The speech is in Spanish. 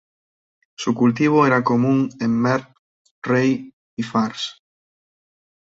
Su cultivo era común en Merv, Rey y Fars.